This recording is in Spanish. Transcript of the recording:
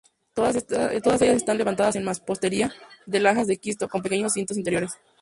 Todas ellas están levantadas en mampostería de lajas de esquisto, con pequeños recintos interiores.